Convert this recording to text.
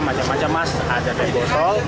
macam macam mas ada kebosol